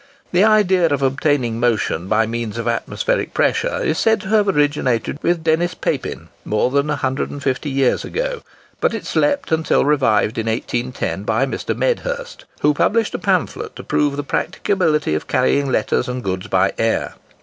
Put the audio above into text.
The idea of obtaining motion by means of atmospheric pressure is said to have originated with Denis Papin, more than 150 years ago; but it slept until revived in 1810 by Mr. Medhurst, who published a pamphlet to prove the practicability of carrying letters and goods by air.